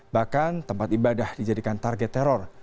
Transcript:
bahkan tempat ibadah dijadikan target teror